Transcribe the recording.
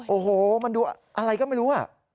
โอ้โหมันดูอะไรก็ไม่รู้